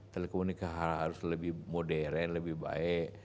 telekomunikasi harus lebih modern lebih baik